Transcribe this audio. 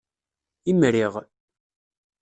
Imriɣ.